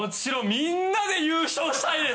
みんなで優勝したいです。